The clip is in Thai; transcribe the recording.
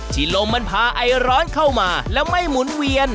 ลมมันพาไอร้อนเข้ามาแล้วไม่หมุนเวียน